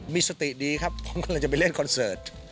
มีสติดีครับผมก็เลยจะไปเล่นคอนเสิร์ต